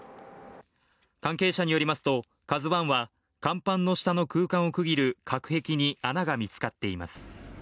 関係者によりますと「ＫＡＺＵ１」は甲板の下の空間を区切る隔壁に穴が見つかっています